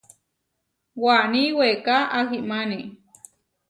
Waní weká ahimáni.